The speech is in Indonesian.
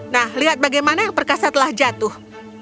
nah lihat bagaimana yang perkasa telah jatuh